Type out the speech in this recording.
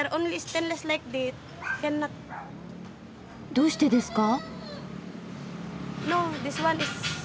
どうしてですか？